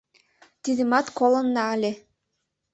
— Тидымат колынна ыле.